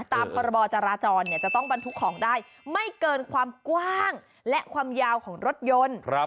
ตามพรบจราจรจะต้องบรรทุกของได้ไม่เกินความกว้างและความยาวของรถยนต์